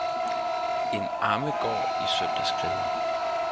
En Amme gaaer i Søndagsklæder